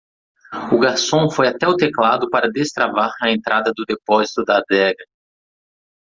O garçom foi até o teclado para destravar a entrada do depósito da adega.